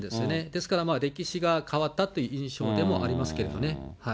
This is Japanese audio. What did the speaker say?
ですから、歴史が変わったという印象でもありますけどね。